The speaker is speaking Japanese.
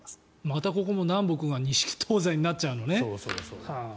またここも南北が東西になっちゃうんですね。